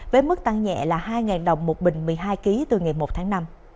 với mức tăng nhẹ là hai đồng một bình một mươi hai kg từ ngày một tháng năm